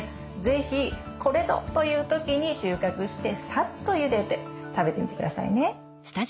是非これぞという時に収穫してさっとゆでて食べてみてくださいね。